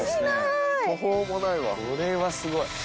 これはすごい。